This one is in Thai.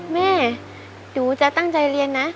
แม่หนูจะตั้งใจเรียนนะ